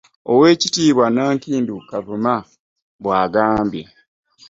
Oweekitiibwa Nankindu Kavuma bw'agambye.